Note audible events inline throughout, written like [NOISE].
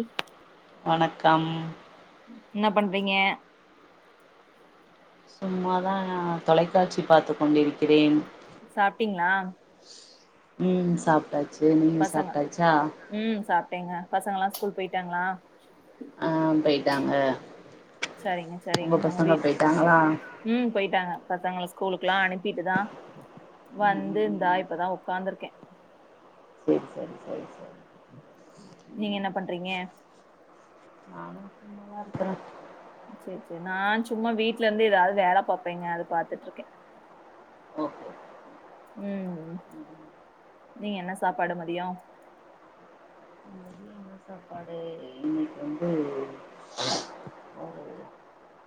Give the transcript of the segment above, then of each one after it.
ம் வணக்கம் என்ன பண்றீங்க சும்மாதா நா தொலைக்காட்சி பாத்து கொண்டிருக்கிறேன் சாப்ட்டீங்ளா ம் சாப்ட்டாச்சு நீங்க பசங்க சாப்ட்டாச்சா ம் சாப்ட்டேங்க பசங்கலா ஸ்கூல் போய்ட்டாங்ளா ஆ போய்ட்டாங்க சரிங்க உங்க சரிங்க பசங்க வீட் போய்ட்டாங்ளா ம் போய்ட்டாங்க பசங்கள ஸ்கூலுக்கெல்லா அனுப்பிட்டு தா ம் வந்து ம் இந்தா ம் இப்பதா உக் காந்திருக்கே சேரி சரி சரி சரி நீங்க என்ன பண்றீங்க நானு சும்மா தா இருக்கே செரி செரி நா சும்மா வீட்லந்து ஏதாவது வேல பாப்பேங்க அது பாத்துட்ருக்கே [INAUDIBLE] ம் நீங்க என்ன சாப்பாடு மதியம் [INAUDIBLE] சாப்பாடு இன்னைக்கு வந்து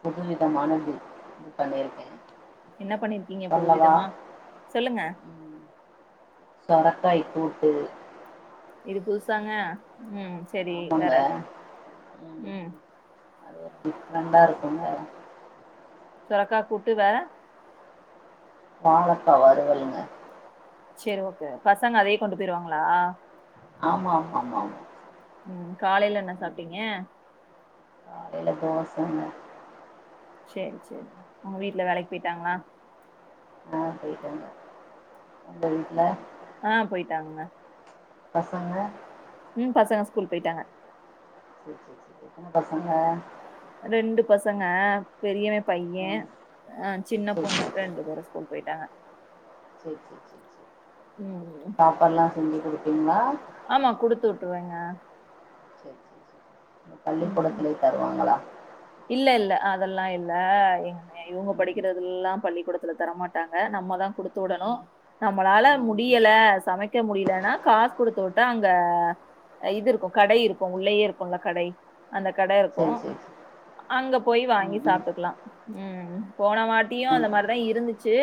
புது விதமான டிஷ் பண்ணியிருக்கே என்ன பண்ணிர்க்கீங்க புது விதமா சொல்லுங்க ம் சொரக்காய் கூட்டு இது புதுசாங்க ம் சரி ஆமாங்க வேற ம் அது ஒரு டிஃப்ரெண்டா இருக்குங்க சொரக்கா கூட்டு வேற வாழக்கா வருவலுங்க சரி ஓ கே பசங்க அதயே கொண்டு போயிருவாங்களா ஆமா ஆமா ஆமா ஆமா ம் காலைல என்ன சாப்ட்டீங்க காலைல தோசங்க சேரி சேரி உங்க வீட்ல வேலைக்கு போய்ட்டாங்களா ஆ போய்ட்டாங்க உங்க வீட்ல ஆ போய்ட்டாங்கங்க பசங்க ம் பசங்க ஸ்கூல் போய்ட்டாங்க [UNINTELLIGIBLE] உங்க பசங்க ரெண்டு பசங்க பெரியவன் பையன் ம் அ சின்ன சரி சரி பொண்ணு ரெண்டு பேரும் ஸ்கூல் போய்ட்டாங்க செரி செரி செரி செரி ம் சாப்பாடுல்லா செஞ்சு குடுப்பீங்களா ஆமா குடுத்து விட்ருவங்க சரி சரி சரி ம் பள்ளிக்கூடத்துலயே தருவாங்களா இல்ல இல்ல அதெல்லா இல்ல இவங் இவங்க ம் படிக்கிறதல்லாம் பள்ளிக்கூடத்துல தரமாட் ட்டாங்க நம்ம தா குடுத்து விடணும் நம்மளால ம், ம் ம், ம். முடியல சமைக் க்க முடியலன்னா காசு குடுத்து விட்டா அங்க இது இருக்கு கடை இருக்கும் உள்ளயே இருக்கும்ல கடை அந்த கட சரி இருக்கும் சரி சரி அங்க போய் வாங்கி ம் ம் சாப்ட்டுக்கலாம் ம் போன வாட் ட்டியும் அந்த மாரிதா இருந்துச்சு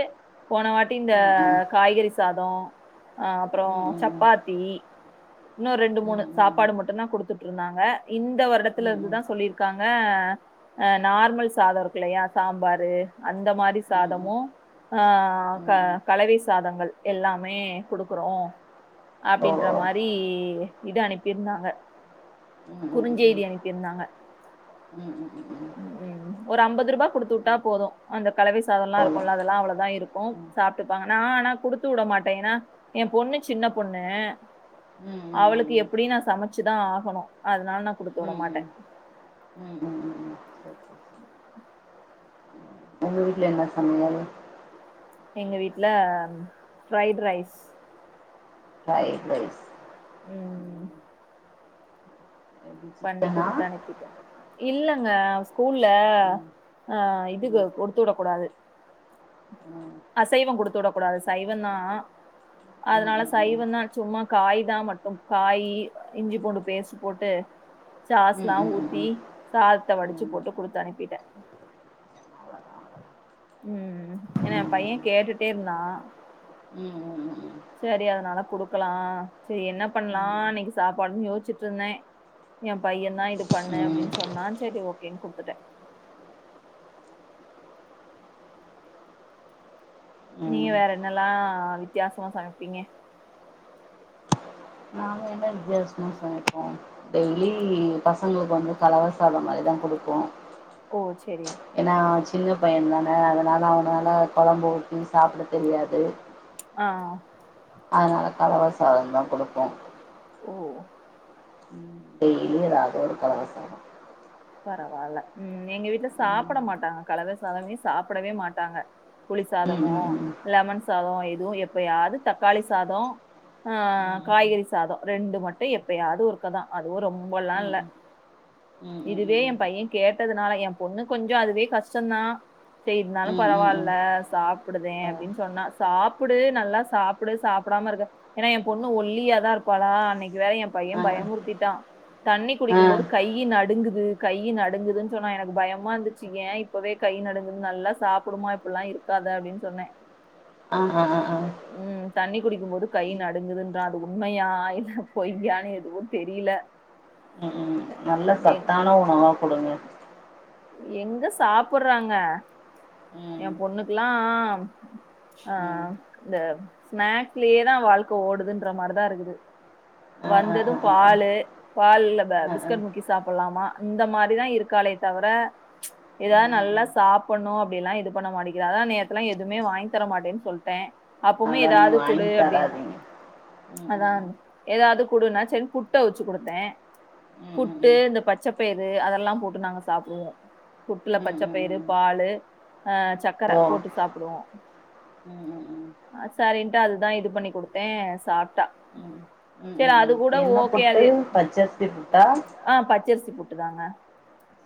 போன வாட்டி இந்த ம் ம் ம் காய்கறி சாதம் அ அப்பறம் ம் ம் ம் ம் சப்பாத்தி இன்னு ரெண்டு ம் மூணு ம் சாப்பாடு மட்டும் தா குடுத்துட்டு இருந்தாங்க இந்த வருடத்தில ம் இருந்துதா சொல்லியிருக்காங்க அ நார்மல் சாதம் இருக்கு இல்லையா சாம்பாரு அந்த மாரி ம் ம் சாதமு ஆ க ம் கலவி சாதங்கள் எல்லாமே குடுக்குறோம் ஓ அப்டின்ற ஓ மாரி இது அனுப்பியிருந்தாங்க ம் ம் ம் ம் குறுஞ்செய்தி அனுப்பியிருந்தாங்க ம் ம் ம் ம் ஒரு ஐம்பது ரூபாய் கொடுத்து விட்டா போதும் அந்த கலவை சாதம் எல்லாம் போதும் இருக்கும்ல அதெல்லா அவ்வளவுதா இருக்கும் ம் சாப்பிட்டுப்பாங்க நா ஆனா குடுத்து விட மாட்டேன் ஏன்னா என் பொண்ணு சின்ன பொண்ணு ம் ம் அவளுக்கு எப்டி நான் சமைச்சுதா ஆகணும் அதனால நா ம் ம் குடுத்து விட ம் மாட்டேன் ம் ம் ம் உங்க வீட்டுல என்ன சமையல் எங்க வீட்டுல ஃப்ரைட் ரைஸ் ஃபை ப்ளேஸ் ம் எப்படி பண்ணி சிக்கனா குடுத்து அனுப்பிட்டே இல்லங்க ஸ்கூல்ல ம் அ இது ம் குடுத்து விடக் கூடாது ம் ம் அசைவோ குடுத்து வுடக் கூடாது சைவந்தா ம் ம் ம் ம் ம் ம் ம் ம் ம் அதுனால ம் சைவந்தா சும்மா காய் தா மட்டுதா காய்யி இஞ்சி பூண்டு பேஸ்ட் போட்டு சாஸ்ல்லா ஊத்தி சாதத்த வடிச்சி போட்டு குடுத்து அனுப்பிட்டே ம் ஏனா எ பைய கேட்டுட்டே இருந்தா ம் ம் ம் சரி அதனால குடுக்கலா சேரி என்ன பண்லா இன்னைக்கு சாப்பாடுன்னு யோசிச்சுட்டு இருந்தே எ பையந்தா இது பண்ணு ம் ம் அப்டின்னு சொன்னா சேரி ஓகேன்னு குடுத்துட்டே நீங்க வேற என்னல்லா வித்தியாசமா சமைப்பீங்க நா என்ன வித்தியாசமா சமைப்பே டெய்லி பசங்களுக்கு வந்து கலவ சாதோ மாரிதா குடுப்போ ஓ சேரி ஏன்னா சின்ன பையதானே அதனால அவனால கொழம்பு ஊத்தி சாப்ட தெரியாது ஆ அதனால கலவ சாதந்த குடுப்போ ஓ டெய்லி ஒரு [UNINTELLIGIBLE] கலவசாதோ பரவால்ல ம் எங்க வீட்ல சாப்ஈட மாட்டாங்க கலவசாதமே சாப்டவே மாட்டாங்க புளி ம் சாதமோ ம் ம் லெமன் சாதோ ஏதோ எப்பயாது தக்காளி சாதோ அ காய்கறி சாதோ ரெண்டு மட்டு எப்பயாது ஒருக்காதா அதுவு ரொம்பலா ம் ம் இல்ல ம் ம் இதுவே ஏ பைய கேட்டதுனால எ பொண்ணு கொஞ்சோ அதுவே கஷ்டோதா சரி இருந்தாலு ம் ம் ம் பரவால்ல ம் சாப்பிடுதே ஆ அப்டின்னு சொன்னா சாப்டு நல்லா சா சாப்டு சாப்டாம இருக்க ஏன்னா எ பொண்ணு ஒல்லியாதா இருப்பாலா அன்னைக்கு வேற எ பைய ஆ பயமுறுத்திட்டா தண்ணி ஆ குடிக்கு போது கையி நடுங்குது கை நடுங்கதுன்னு சொன்னா எனக்கு பயமா இருந்துச்சு ஏ இப்பவே கை நடுங்குது நல்லா சாப்புடுமா இப்பட்ல்லா இருக் இருக்காத அப்டின்னு சொன்னே அஅ அ அ ம் தண்ணி குடிக்கு போது கை நடுங்கதுன்றா அது உண்மையாய இல்ல பொய்யானு எதுவு தெரில ம் ம் நல்ல சத்தான உணவா குடுங்க எங்க சாப்புட்றாங்க எ ம் பொண்ணுக்ல்லா ஆ ம் இந்த ஸ்நாக்லியே தா வாழ்க்க ஓடுதுன்ற மாதிரிதா இருக்கு ஆ ஆ வந்தது ஆ ஆ ஆ பால்லு பால்ல ஆ ஆ பிஸ்கட் முக்கி சாப்புட்லாமா இந்த மாதிரிதா இருக்காலே தவர ம் ஏதாது ம் நல்லா ம் சாப்புட்ணு அப்பிடில்லா இது பண்ண மாட்டிங்கிற அதா நேத்ல்லா எதுமே வாங்கி தர மாட்டேன்னு சொல்ட்டே அப்வுமே அதான் நீங்க ஏதாவ்து குடு வாங்கி அப்டின்னா தராதீங்க ம் அதா ம் ம் ஏதாது குடுன்னா சரி புட்ட அவுச்சு குடுத்தே ம் ம் புட்டு இந்த பச்சைப்பயிறுு அதெல்லா போட்டு நாங்க சாப்டுவோ புட்டுல ம் ம் ம் பச்சைப்பயிறு ம் பால் அஹ சக்கர ஓ போட்டு சாப்டுவோ ம் ம் ம் சரின்ட்டு அதுதா இது பண்ணி குடுத்தே சாப்ட்டா ம் ம் சரி ம் அது ம் கூட என்ன ஓகே புட்டு அது பச்சரிசி புட்டா ஆ பச்சரிசி புட்டுதாங்க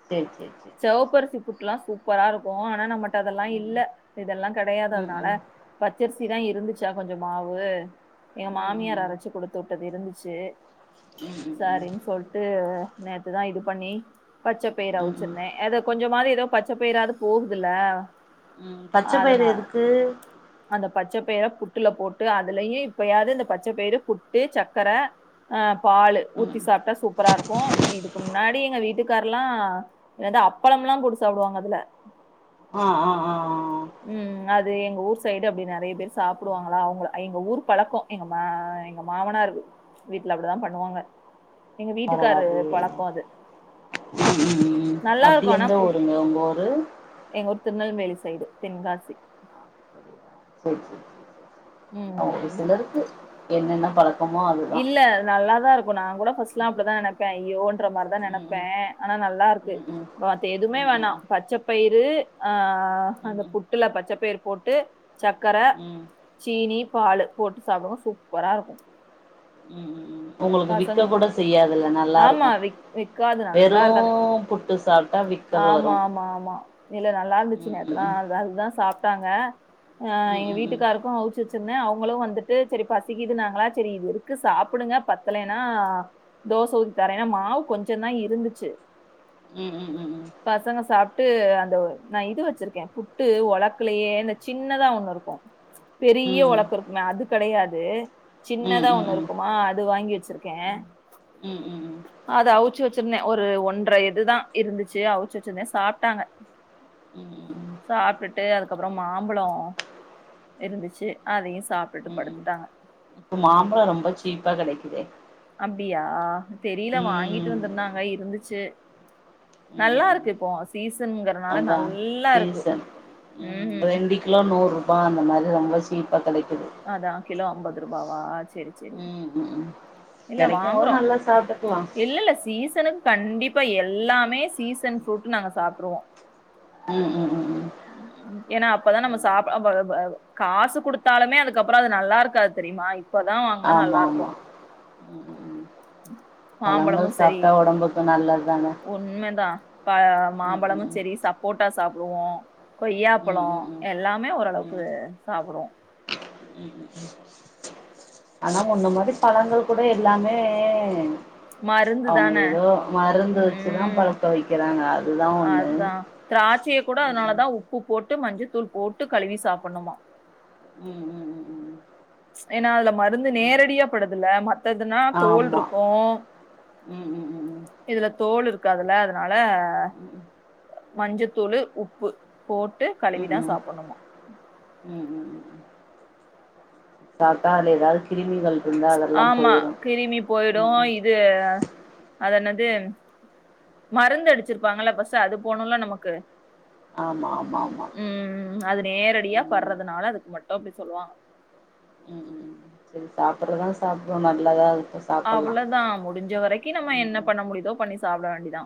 சேரி சேரி சே செவப்பரிசி புட்டு லா சூப்பரா இருக்குகூ ஆனா நம்மட்ட அதெல்லா ம் இல்ல இதெல்லா கெடையாது ம் அதனால ம் பச்சரிசிதா இருந்துச்சா கொஞ்ச மாவு எங்க ம் ம் ம் ம் மாமியார் ம் அரைச்சு குடுத்து உட்டது இருந்துச்சு சரின்னு சொல்ட்டு நேத்துதா இது பண்ணி பச்சபயறு ம் ம் அவ் ம் ச்ந்த அத கொஞ்சமாவது எதோ பச்ச பயறாவது போகுதுல்ல பச்ச பயரு அதனால எதுக்கு அந்த பச்சைப்பயிர புட்டுல போட்டு அதுலயு இப்பயாவது இந்த பச்சப்பயரு புட்டு சக்கர அ பாலு ஊத்தி ம் சாப்ட்டா சூப்பரா இருக்கு இதுக்கு முன்னாடி எங்க வீட்டுக்கார்ல்லா என்னது அப்பளம்லா போட்டு சாப்புடுவாங்க அதுல அ அ ஆ ம் அது எங்க ஊர் சைடு அப்டி நெறைய பேர் சாப்டுவாங்களா அவுங்க எங்க ஊர் பழக்கோ எங்க ம எங்க மாமனார் வீட்ல அப்டிதா பண்ணுவாங்க எங்க வீட்டுக்காரு பரவாயில்லையே பழக்கோ அது ம் நல்லா அப்டி இருக்கும் ஆனா எந்த புட் ஊருங்க உங்க ஊரு எங்க ஊர் திருநெல்வேலி சைடு தென்காசி சரி சரி உம் ஒரு சிலருக்கு என்னென்ன பழ இல்ல நல்லாதா இருக் நா கூட ஃபர்ஸ்ட் லா அப்டிதா நெனப்ப ஐயோன்ற மாரி தா நெனப்பே ம் ஆனா நல்லா இருக்கு ம் ம் ம் மத்த எதுமே ம் ம் ம் வேணா பச்சப்பயிறு ஆ ம் ம் அந்த ம் புட்டுல பச்சப்பயிறு போட்டு சக்கர ம் ம் சீனி பால் போட்டு சாப்புடுவோ சூப்பரா இருக்கும் ம் ம் ம் பசங்களுக்கு ஆமா வி வி்க்காது நல்லா வெறு இருக்காது புட்டு சாப்ட்டா விக்கல் வரு ஆமா ஆமா ஆமா இல்ல நல்லா இருந்துச்சு ம் நேத்தலா ம் அ அதுதா சாப்ட்டாங்க ஆ ம் எங்க ம் ம் வீட்டுக்காருக்கு அவுச்சு வச்சிருந்த அவுங்களு வந்துட்டு சரி பசிக்குதுனாங்களா சரி இது இருக் க்கு சாப்புடுங்க பத்தலேன்னா தோச ஊத்தி தர ஏன்னா மாவு கொஞ்ச தா இருந்துச்சு ம் ம் ம் பசங்க சாப்ட்டு அந்த நா இது வச்சிருக்க புட்டு ஒலக்குலேயே இந்த சின்னதா ஒண்ணு இருக்கு பெரிய ம் ஒலக்கு இருக்குமே அது கெடையாது ம் ம் ம் ம் ம் ம் ம் சின்னதா ஒண்ணு இருக் ம் க்குமா அது வாங்கி வச்சிருக்கே ம் ம் ம் அது அவுச்சு வச்சிருந்தே ஒரு ஒன்ற இதுதா இருந்துச்சு அவுச்சு வச்சிருந்தே சாப்ட்டாங்க [INAUDIBLE] சாப்ட்டுட்டு அதுக்கப்பறோ மாம்பழோ இருந்துச்சு அதையு சாப்ட்டுட்டு ம் ம் படுத்துட்டாங்க இப்ப மாம்பழோ ரொம்ப ஷீப்பா கெடைக்குதே அப்டியா தெரில வாங்கிட் ட்டு ம் ம் வந்துருந்தாங்க இருந்துச்சு ம் நல்லா ம் இருக்கு இப்போ சீசனுங்கறனால அதா நல்லா இருக்கு சீசன் ம் ம்ம் ரெண்டு கிலோ நூறுபா அந்த மாதிரி ரொம்ப சீப்பா கெடைக்குது அதா கிலோ அம்பது ருபாவா சேரி சேரி ம் ம் ம் இல்ல கெடைக்கும் போது வாங்குறோ நல்லா சாப்ட்டுக்கலா இல்ல இல்ல சீசனு கண்டிப்பா எல்லாமே சீசன் ஃப்ரூட் நாங்க சாப்ட்ருவோ ம் ம் ம் ம் ஏன்னா அப்பதா நம்ம சாப்டா பர ப காசு குடுத்தாலுமே அதுக்கப்றோ அது நல்லா இருக்காது தெரியுமா இப்பதா வாங்கனா ஆமா நல்லா இருக்கு ஆமா ம் ம் ம் பழங்கள் சாப்டா ஒடம்புக்கு நல்லது தானே உண்மதா பழ மாம்பழமும் ம் செரி சப்போட்டா சாப்டுவோ ம் கொய்யாப்பழோ ம் ம் ம் எல்லாமே ஓரளவுக்கு சாப்புடுவோ ம்ம்ம் ஆனா முன்ன மாரி பழங்கள் கூட எல்லாமே மருந்து அவுங்க தான. ஏதோ மருந்து வெச்சுதா ம். பழுக்க வெக்கிறாங்க அதுதா ஒன்னு திராட்சையை கூட அதனாலதா உப்பு போட்டு மஞ்சத்தூள் போட்டு கழுவி சாப்புட்ணுமா ம் ம் ம் ம் ஏன்னா அதுல மருந்து நேரடியா படுதுல மத்ததுன்னா தோல் ஆமா இருக்கு ம் ம் ம் ம் இதுல தோல் இருக்காதுல அதனால மஞ்சத்தூளு உப்பு போட்டு ம் கழுவிதா சாப்பிட்ணுமா ம் ம் ம் சாப்டா அதுல ஏதாது கிருமிகள் இருந்தா அதெல்லா ஆமா போயிரு கிருமி போயிடு ம் ம் இது அது நேது மருந்து அடிச்சிருப்பாங்கல்ல ஃபர்ஸ்ட் அது போனும்ல நமக்கு ஆமா ஆமா ஆமா ம் ம் ம் அது நேரடியா ம் பட்றதுனால அதுக்கு மட்டு அப்டி சொல்லுவாங்கோ தோழி சாப்பிட்றதுதா சாப்பிடுவோ நல்லதா இருக்கு சாப்பட்லா அவ்ளதா முடிஞ்ச வரைக்கி ம் நம்ம என்ன ம் பண்ண முடிதோ பண்ணி சாப்ட வேண்டிதா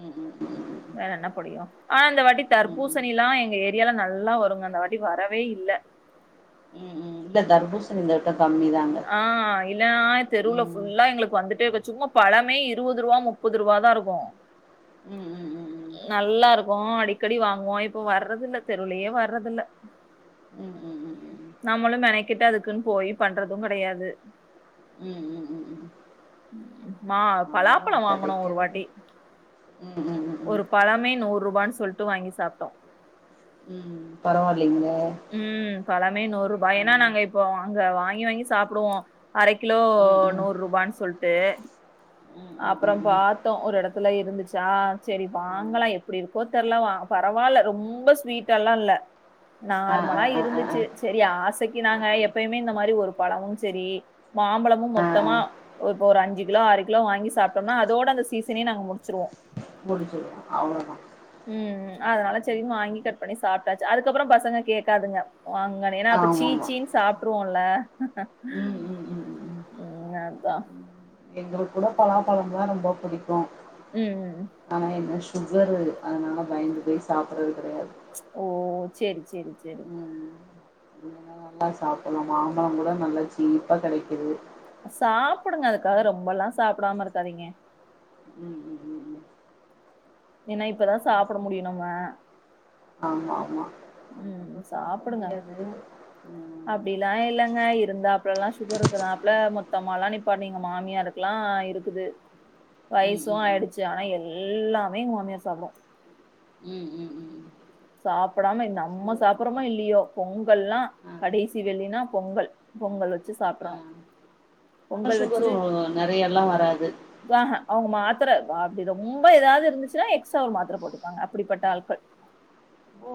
[INAUDIBLE] வேற என்ன புடிக்கு ஆ இந்த வாட்டி ம் ம் தர்பூசணில்லா எங்க ஏரியால நல்லா வருங்க இந்த வாட்டி வரவே இல்ல ம் இல்ல தர்பூசணி இந்த வட்டோ கம்மிதாங்க ஆ இல்லன தெருவுல ம் ஃபுல்லா எங்களுக்கு வந்துட்டே இருக்கு சும்மா பழமே இருவது ரூபா முப்பது ரூபா தா இருக்கு ம் ம் ம் ம் ம் நல்லா இருக்கு அடிக்கடி வாங்குவோ இப்ப வர்றது இல்ல தெருவுலயே வர்றது இல்ல உம் நம்மளும் நெனைக்கிட்டு அதுக்குன்னு போயி பண்றதும் கெடையாது ம் ம் ம் ம் மா அவ்ளோதா பலாப்பழோ வாங்கணு ஒரு கெடைக்கிறது வாட்டி ம் ம் ம் ஒரு ம் பழமே நூறு ரூபான் சொல்ட்டு வாங்கி சாப்டோ ம் பரவால்லைங்க ம் பழமே நூறு ரூபா ஏன்னா நாங்க இப்போ அங்க வாங்கி வாங்கி சாப்புடுவோ அரை கிலோ ம் ம் நூர் ரூபான் சொல்லிட்டு ம் அப்றோ ம் ம் பாத்தோ ஒரு எடத்துல இருந்துச்சா செரி வாங்கலா எப்டி இருக்கோ தெர்ல பரவால்ல ரொம்ப ஸ்வீட்டாலா இல்ல ஆ ஆ நார்மலா ஆ ஆ ஆ இருந்துச்சி செரி ஆசைக்கு ஆ நாங்க எப்பயுமே இந்த மாரி ஒரு பழமும் செரி மாம்பழமும் ஆ ஆ மொத்தமா இப்போ ஒரு அஞ்சு கிலோ ஆறு கிலோ வாங்கி சாப்டோம்னா அதோட அந்த சீசனே நாங்க முடிச்சிருவோ முடிச்சிருவோ அவ்ளோதா ம் ம் அதனால சேரின்னு வாங்கி கட் பண்ணி சாப்ட்டாச்சு அதுக்கப்றோ பசங்க கேக்காதுங்க வாங்கடைனா ஏன்னா அப்ப ஆமாமா சீச்சீன்னு சாப் ட்ருவோல்ல ம் ம் ம் ம் ம் அதா எங்களுக்கு கூட பலாபழம் தா ரொம்ப புடிக்கு ம். ஆனா என்ன சுகரு அதனால பயந்து போய் சாப்பட்றது கடையாது ஓ சேரி சேரி சேரி ம் இல்லன்னா நல்லா சாப்பட்லா மாம்பழம் கூட நல்லா சீப்பா கிடைக்குது சாப்புடுங்க அதுக்காக ரொம்பல்லா சாப்புடாம இருக்காதீங்க ம் ம் ம் ம் ஏன்னா இப்பதா சாப்பட முடியு நம்ம ஆமா ஆமா ம் அதுக்கப்புறோ ம் சாப்பிட சாப்புடுங்க முடியாது ம் ம் அப்டில்லா இல்லங்க இருந்தா அப்பர்லா சுகர் இருக்குற ஆப்ல மொத்தமாலா நீப் எங்க மாமியாரு குலாஇருக்குது ம் வயசு ம் ஆயிடுச்சு ஆனா எல்லாமே எங்க மாமியா சாப்டு ம் ம் ம் சாப்புடாம நம்ம சுகர் சாப்பர்றமோ இல்லியோ பொங்கல்லா ஆ கடைசி வெள்ளின்னா பொங்கல் பொங்கல் வச்சு சாப்ட்ரு ஆ ஆனா சுகரு நறைய எல்லா வராது அ ஹ அவுங்க மாத்திர அப்டி ரொம்ப ஏதாவது இருந்துச்சுன்னா எக்ஸ்ட்ரா ஒரு மாத்திர போட்டுப்பாங்க அப்படிப்பட்ட ஆட்கள் ஓ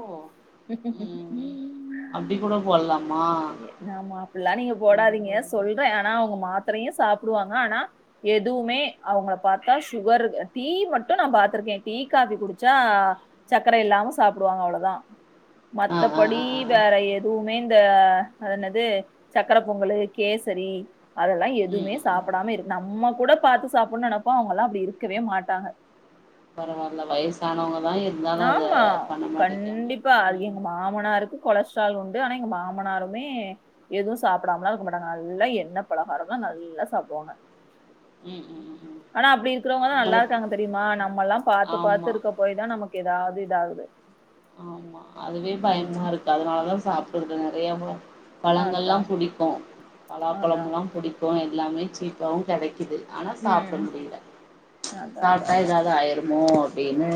ம் அப்டி கூட போட்லாமா நாம்ம அப்டபல்லா நீங்க போடாதீங்க போட்டுக்கோ சொல்ற ஆனா அவுங்க மாத்திரையு சாப்டுவாங்க ஆனா எதுவுமே அவுங்கள பாத்தா சுகர் டீ மட்டு நா பாத்திருக்கே டீ காபி குடிச்சா சக்கர இல்லாம சாப்டுவாங்க அவ்ளோதா ஆ ஆ மத்தபடி ஆ ஆ வேற எதுவுமே இந்த அ அது என்னது சக்கர பொங்கலு கேசரி அதெல்லா ம் எதுமே ம் ம் சாப்படாம இருக் நம்ம கூட பாத்து சாப்பட்ணு நெனப்போ அவுங்க எல்லா அப்டி இருக்கவே மாட்டாங்க பரவாயில்ல வயசானவங்க தா எ ஆமா கண்டிப்பா அது ம் எங்க மா மனாருக்கு கொலஸ்ட்ரால் உண்டு ஆனா எங்க மாமனாருமே எதுவு சாப்டாமலா இருக்க மாட்டாங்க நல்லா எண்ணெ பலகாரம்ல்லா நல்லா சாப்டுவாங்க ம் ம் ம் ஆனா அப்டி இருக்கறவுங்கதா நல்லா உங்களுக்கு இருக்காங்க தெரியுமா நம்மல்லா பாத்து பாத்து ஆமா இருக்க போயி தா நமக் ஏதாவது இது ஆகுது ஆமா அதுவே பயமா இருக்கு அதனாலதா சாப்பட்றது இல்ல நெறையாவா பழங்கள்லா அதான். புடிக்கு அதான். பலாப்பழமெல்லா புடிக்கு எல்லாமே சீப்பாவு கெடைக்குது ஆனா சாப்ட ம். முடில அதான், அதான், சாப்ட்டா அதான். ஏதாவது ஆயிருமோ அப்டின்னு